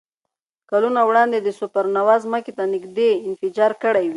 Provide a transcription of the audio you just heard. کلونه وړاندې سوپرنووا ځمکې ته نږدې انفجار کړی وي.